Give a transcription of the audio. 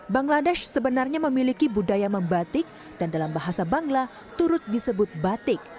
bangladesh sebenarnya memiliki budaya membatik dan dalam bahasa bangla turut disebut batik